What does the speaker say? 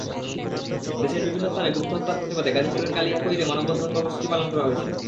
দেশের বিভিন্ন স্থানে গুপ্তহত্যার প্রতিবাদে গাজীপুরের কালিয়াকৈরে মানববন্ধন কর্মসূচি পালন করা হয়েছে।